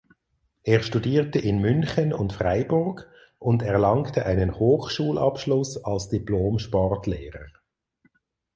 Er studierte in München und Freiburg und erlangte einen Hochschulabschluss als Diplomsportlehrer.